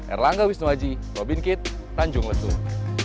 erlangga wisnuwaji robin kit tanjung lesung